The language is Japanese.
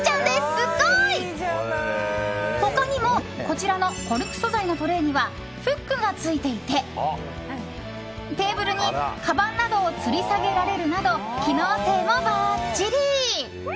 すごい！他にもこちらのコルク素材のトレーにはフックがついていてテーブルに、かばんなどをつりさげられるなど機能性もばっちり。